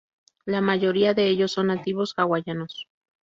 La mayoría de ellos son nativos hawaianos.